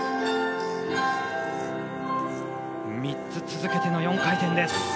３つ続けての４回転です。